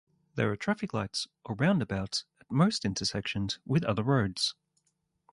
There are traffic lights or roundabouts at most intersections with other roads.